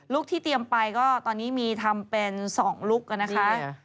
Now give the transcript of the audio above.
ที่เตรียมไปก็ตอนนี้มีทำเป็น๒ลุคนะคะ